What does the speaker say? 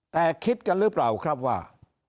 แต่คิดกันหรือเปล่าครับว่า